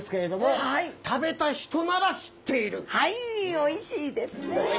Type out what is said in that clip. おいしいですね！